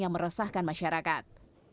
yang meresahkan masyarakat